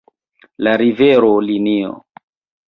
La rivero, linio